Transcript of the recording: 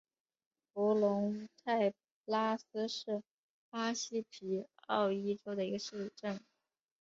弗龙泰拉斯是巴西皮奥伊州的一个市镇。